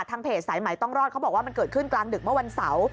เพจสายใหม่ต้องรอดเขาบอกว่ามันเกิดขึ้นกลางดึกเมื่อวันเสาร์